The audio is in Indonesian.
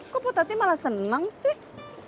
kok putati malah senang sih